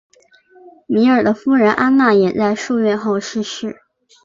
摩尔的夫人安娜也在数月后逝世。